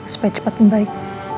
supaya cepat membaik